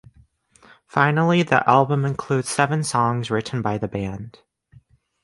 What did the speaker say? Finally, the album includes seven songs written by the band.